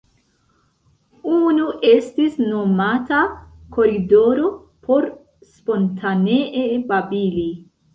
Unu estis nomata “Koridoro” por spontanee babili.